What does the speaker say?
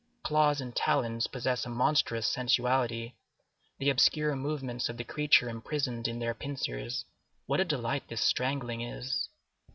Claws and talons possess a monstrous sensuality,—the obscure movements of the creature imprisoned in their pincers. What a delight this strangling is!